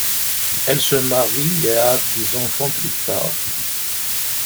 Elle se marie et a des enfants plus tard.